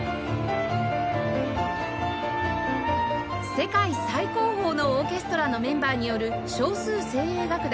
世界最高峰のオーケストラのメンバーによる少数精鋭楽団